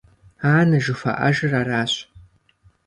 Анэ жыхуаӀэжыр аращ!